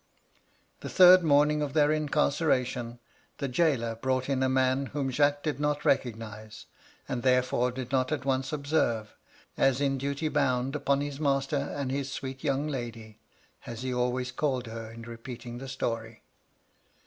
"The third morning of their incarceration, the gaoler brought in a man whom Jacques did not recognise, and therefore did not at once observe ; for he was waiting, as in duty bound, upon his master and his sweet young lady (as he always called her in repeating the story).